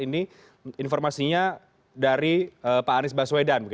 ini informasinya dari pak anies baswedan